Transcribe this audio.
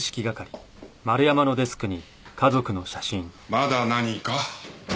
まだ何か？